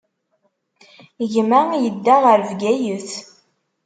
Gma yedda ɣer Bgayet.